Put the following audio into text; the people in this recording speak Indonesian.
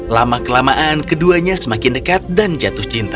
lama kelamaan keduanya semakin dekat dan jatuh cinta